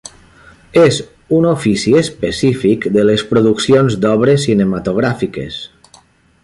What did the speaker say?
És un ofici específic de les produccions d'obres cinematogràfiques.